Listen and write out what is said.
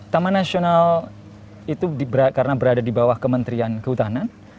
taman nasional itu karena berada di bawah kementerian kehutanan